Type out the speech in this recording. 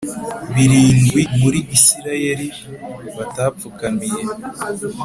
birindwi muri Isirayeli batapfukamiye